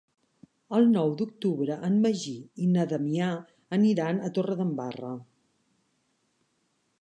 El nou d'octubre en Magí i na Damià aniran a Torredembarra.